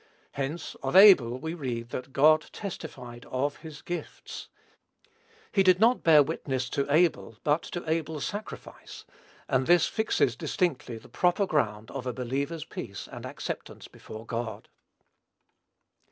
Hence, of Abel we read that "God testified of his gifts." He did not bear witness to Abel, but to Abel's sacrifice; and this fixes distinctly the proper ground of a believer's peace and acceptance before God.